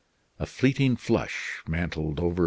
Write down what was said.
A fleeting flush mantled over M.